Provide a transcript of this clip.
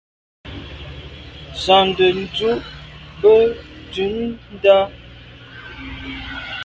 Tsiante ndùb be ntùm ndà.